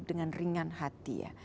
dengan ringan hati ya